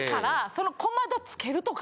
その小窓付けるとか。